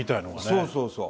そうそうそう。